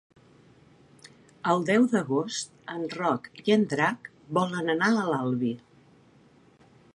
El deu d'agost en Roc i en Drac volen anar a l'Albi.